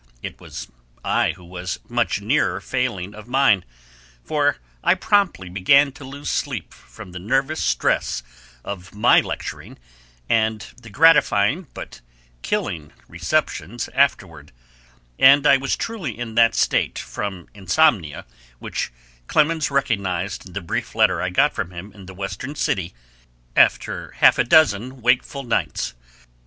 It was I who was much nearer failing of mine, for I promptly began to lose sleep from the nervous stress of my lecturing and from the gratifying but killing receptions afterward, and I was truly in that state from insomnia which Clemens recognized in the brief letter I got from him in the Western city, after half a dozen wakeful nights.